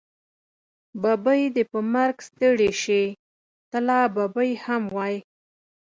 ببۍ دې په مرګ ستړې شې، ته لا ببۍ هم وی.